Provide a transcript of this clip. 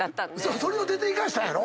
それを出ていかしたんやろ